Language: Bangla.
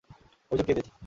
অভিযোগ কে দিয়েছে?